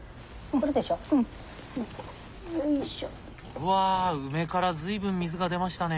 うわ梅から随分水が出ましたね。